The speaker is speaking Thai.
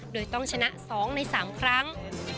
โดยต้องชนะ๒ใน๓ครั้ง